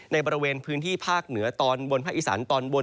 ในบริเวณพื้นที่ภาคเหนือภาคอิสรรค์ตอนบน